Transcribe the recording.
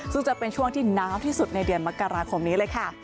ซึ่งจะเป็นช่วงที่น้าวที่สุดในเดือนมกราคมนี้เลยค่ะ